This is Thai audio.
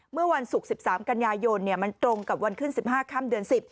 เมื่อวันศุกร์๑๓กันยายนมันตรงกับวันขึ้น๑๕ค่ำเดือน๑๐